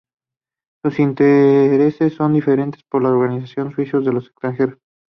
Sus intereses son defendidos por la "Organización de Suizos en el Extranjero".